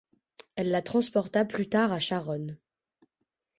Elle la transporta plus tard à Charonne.